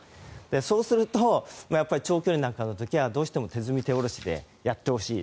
そうすると、長距離なんかの時はどうしても手積み、手下ろしてやってほしい。